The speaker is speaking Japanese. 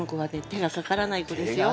手がかからない子ですよ。